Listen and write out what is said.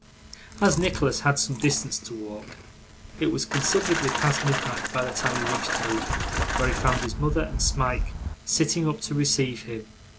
As Nicholas had some distance to walk, it was considerably past midnight by the time he reached home, where he found his mother and Smike sitting up to receive him.